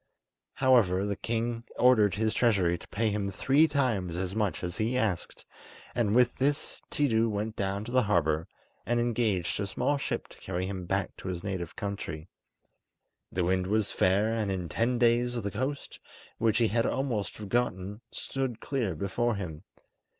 However, the king ordered his treasure to pay him three times as much as he asked, and with this Tiidu went down to the harbour and engaged a small ship to carry him back to his native country. The wind was fair, and in ten days the coast, which he had almost forgotten, stood clear before him.